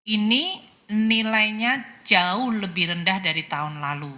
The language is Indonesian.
ini nilainya jauh lebih rendah dari tahun lalu